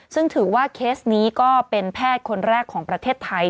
ซึ่งถือว่าเคสนี้ก็เป็นแพทย์คนแรกของประเทศไทย